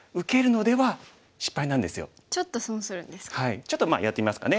ちょっとやってみますかね。